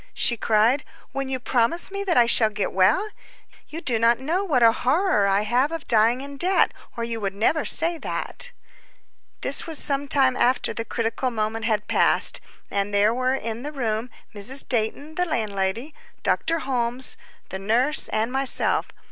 she cried, "when you promise me that I shall get well? You do not know what a horror I have of dying in debt, or you would never say that." This was some time after the critical moment had passed, and there were in the room Mrs. Dayton, the landlady, Dr. Holmes, the nurse, and myself.